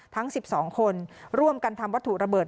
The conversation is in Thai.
ทั้ง๑๒คนร่วมกันทำวัตถุระเบิด